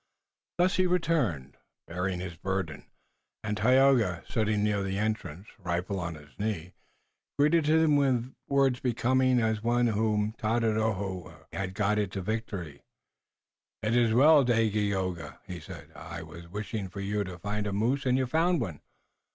Thus he returned, bearing his burden, and Tayoga, sitting near the entrance, rifle on knee, greeted him with becoming words as one whom Tododaho and Areskoui had guided to victory. "It is well, Dagaeoga," he said. "I was wishing for you to find a moose and you found one.